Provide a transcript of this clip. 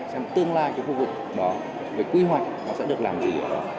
xem tương lai cái khu vực về quy hoạch nó sẽ được làm gì